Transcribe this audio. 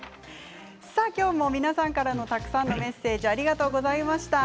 今日も皆さんからのたくさんのメッセージありがとうございました。